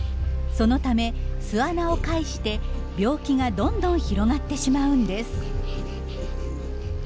そのため巣穴を介して病気がどんどん広がってしまうんです。